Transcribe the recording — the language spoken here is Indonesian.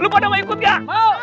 lu pada mau ikut gak